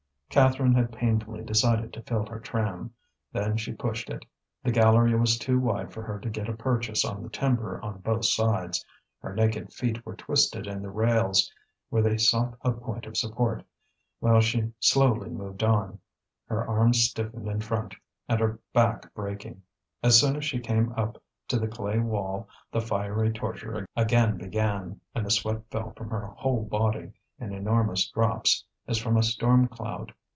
Catherine had painfully decided to fill her tram, then she pushed it. The gallery was too wide for her to get a purchase on the timber on both sides; her naked feet were twisted in the rails where they sought a point of support, while she slowly moved on, her arms stiffened in front, and her back breaking. As soon as she came up to the clay wall, the fiery torture again began, and the sweat fell from her whole body in enormous drops as from a storm cloud.